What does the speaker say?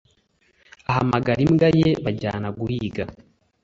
ahamagara imbwa ye bajyana guhiga